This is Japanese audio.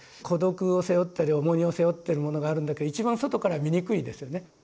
孤独を背負ったり重荷を背負ってるものがあるんだけど一番外から見にくいですよね。